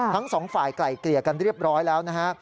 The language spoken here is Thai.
ทั้งสองฝ่ายไกลเกลี่ยกันเรียบร้อยแล้วนะฮะ